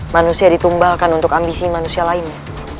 manusia ditumbalkan untuk ambisi manusia lainnya